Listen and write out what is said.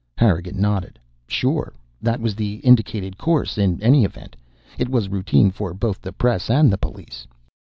Harrigan nodded. "Sure. That was the indicated course, in any event. It was routine for both the press and the police.